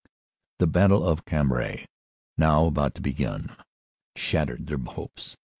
"The Battle of Cambrai, now about to be begun, shattered their hopes.